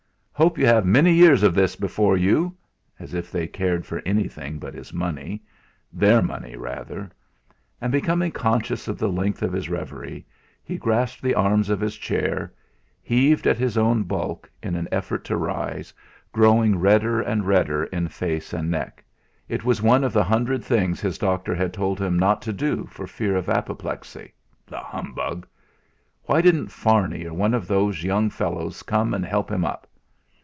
"Hope you have many years of this life before you!" As if they cared for anything but his money their money rather! And becoming conscious of the length of his reverie, he grasped the arms of his chair, heaved at his own bulk, in an effort to rise, growing redder and redder in face and neck. It was one of the hundred things his doctor had told him not to do for fear of apoplexy, the humbug! Why didn't Farney or one of those young fellows come and help him up?